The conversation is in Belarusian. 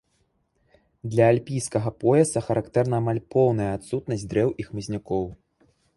Для альпійскага пояса характэрна амаль поўная адсутнасць дрэў і хмызнякоў.